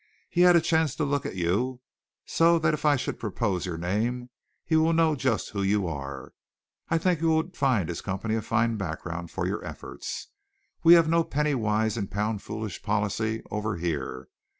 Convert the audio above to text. He had a chance to look at you, so that if I should propose your name he will know just who you are. I think you would find this company a fine background for your efforts. We have no penny wise and pound foolish policy over here.